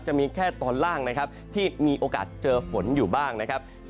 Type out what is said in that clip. จะมีแค่ตอนล่างนะครับที่มีโอกาสเจอฝนอยู่บ้างนะครับ